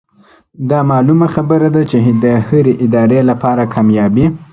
دا معلومه خبره ده چې د هرې ادارې لپاره کاميابي